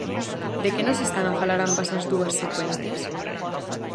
De que nos están a falar ambas as dúas secuencias?